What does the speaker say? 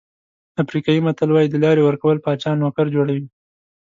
افریقایي متل وایي د لارې ورکول پاچا نوکر جوړوي.